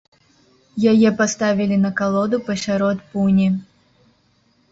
Яе паставілі на калоду пасярод пуні.